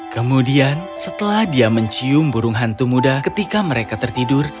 kemudian setelah dia mencium burung hantu muda ketika mereka tertidur